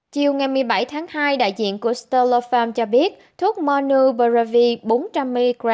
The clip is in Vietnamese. chiều ngày một mươi bảy tháng hai đại diện của sterlo farm cho biết thuốc monoberravi bốn trăm linh mg